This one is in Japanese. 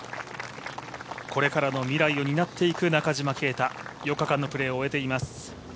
これからの未来を担っていく中島啓太、４日間のプレーを終えています。